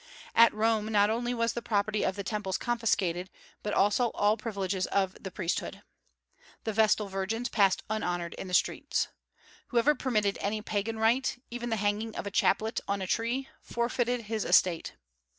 At Rome not only was the property of the temples confiscated, but also all privileges of the priesthood. The Vestal virgins passed unhonored in the streets. Whoever permitted any Pagan rite even the hanging of a chaplet on a tree forfeited his estate.